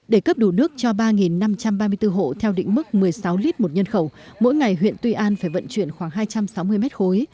để cấp đủ nước cho ba năm trăm ba mươi bốn hộ theo định mức một mươi sáu lít một nhân khẩu mỗi ngày huyện tuy an phải vận chuyển khoảng hai trăm sáu mươi mét khối